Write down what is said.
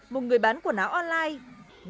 một người bán quần áo online